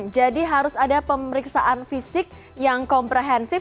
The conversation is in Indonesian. jadi harus ada pemeriksaan fisik yang komprehensif